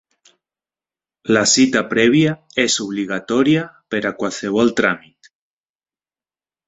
La cita prèvia és obligatòria per a qualsevol tràmit.